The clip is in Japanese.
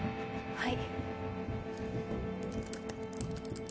はい。